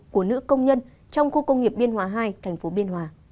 của nữ công nhân trong khu công nghiệp biên hòa hai tp biên hòa